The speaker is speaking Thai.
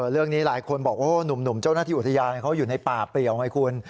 เรื่องนี้หลายคนบอกโอ้หนุ่มเจ้าหน้าที่อุทยานเขาอยู่ในป่าเปลี่ยวไงคุณ